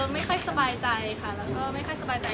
ไม่ค่อยสบายใจค่ะแล้วก็ไม่ค่อยสบายใจ